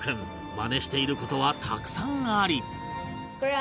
マネしている事はたくさんあり